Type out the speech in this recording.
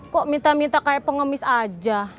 kok minta minta kayak pengemis aja